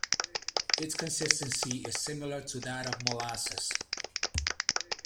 Its consistency is similar to that of molasses.